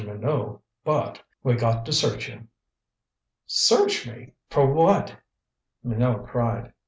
Minot but we got to search you." "Search me for what?" Minot cried.